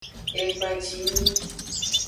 Egbancinyi.